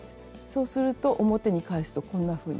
そうすると表に返すとこんなふうになります。